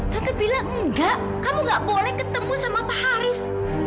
kakak bilang enggak kamu gak boleh ketemu sama pak haris